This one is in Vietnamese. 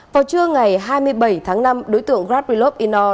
vào trưa ngày hai mươi bảy tháng năm đối tượng gaprilov inor